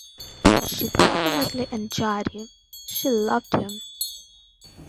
She definitely enjoyed him — she loved him.